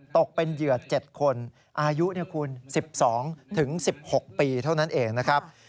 ตกเป็นเหยื่อเจ็ดคนอายุเนี่ยคุณสิบสองถึงสิบหกปีเท่านั้นเองนะครับ